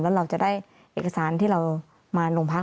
แล้วเราจะได้เอกสารที่เรามาโรงพัก